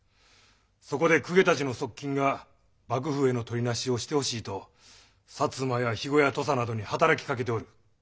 そこで公家たちの側近が幕府へのとりなしをしてほしいと摩や肥後や土佐などに働きかけておる。